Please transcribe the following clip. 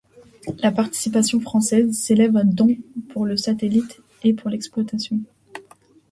La participation française s'élève à dont pour le satellite et pour l'exploitation.